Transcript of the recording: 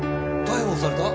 逮捕された？